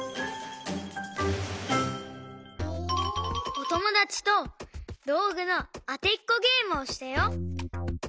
おともだちとどうぐのあてっこゲームをしたよ。